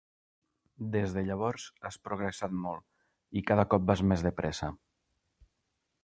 Des de llavors has progressat molt i cada cop vas més de pressa.